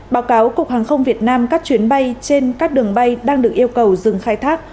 báo cáo cục hàng không việt nam các chuyến bay trên các đường bay đang được yêu cầu dừng khai thác